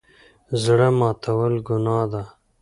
زړه ماتول ګناه ده